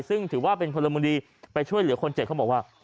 ซึ่งถือว่าเป็นพลเมืองดีไปช่วยเหลือคนเจ็บเขาบอกว่า